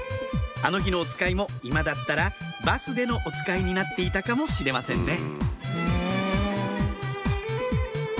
あの日のおつかいも今だったらバスでのおつかいになっていたかもしれませんね